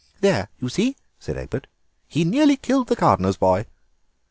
"There, you see," said Egbert, "he nearly killed the gardener's boy."